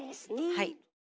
はい。